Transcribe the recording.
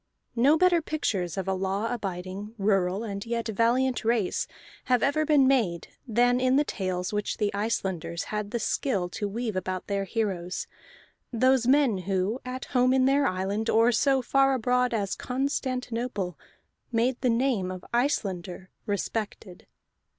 No better pictures of a law abiding, rural, and yet valiant race have ever been made than in the tales which the Icelanders had the skill to weave about their heroes, those men who, at home in their island, or so far abroad as Constantinople, made the name of Icelander respected.